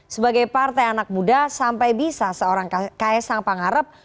sebagai partai anak muda sampai bisa seorang ksang pangarep